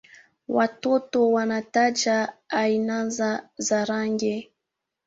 Watoto wanataja aina za rangi